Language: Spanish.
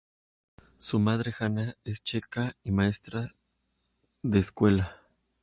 Su madre, Jana, es checa y maestra de escuela.